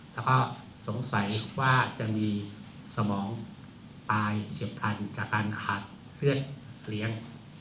แล้วก็สงสัยว่าจะมีสมองตายเฉียบพันธุ์จากการหักเพื่อนเลี้ยง